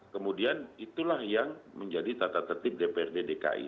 kemudian itulah yang menjadi tata tertib dprd dki